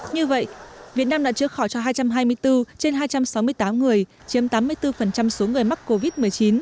như vậy việt nam đã trước khỏi cho hai trăm hai mươi bốn trên hai trăm sáu mươi tám người chiếm tám mươi bốn số người mắc covid một mươi chín